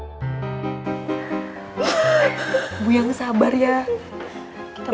ibu yang sabar ya ibu yang sabar ya